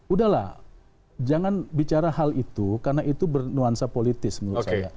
udahlah jangan bicara hal itu karena itu bernuansa politis menurut saya